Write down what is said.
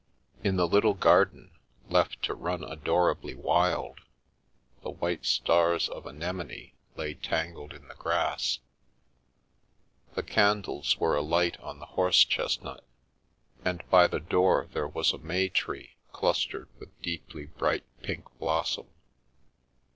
In the little garden, left to run adorably wild, the white stars of anemone lay tangled in the grass. The candles were alight on the horse chestnut, and by the door there was a may tree, clustered with deeply bright pink blossom.